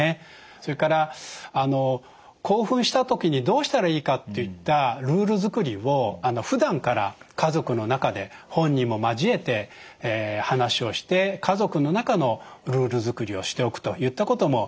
それから興奮した時にどうしたらいいかといったルール作りをふだんから家族の中で本人も交えて話をして家族の中のルール作りをしておくといったこともよいことかなと思います。